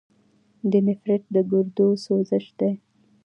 د نیفریټس د ګردو سوزش دی.